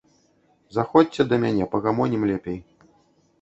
Заходзьце да мяне, пагамонім лепей.